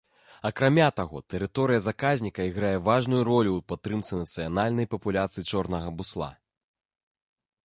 Акрамя таго, тэрыторыя заказніка іграе важную ролю ў падтрымцы нацыянальнай папуляцыі чорнага бусла.